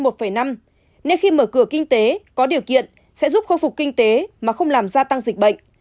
nên khi mở cửa kinh tế có điều kiện sẽ giúp khôi phục kinh tế mà không làm gia tăng dịch bệnh